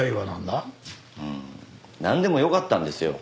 なんでもよかったんですよ。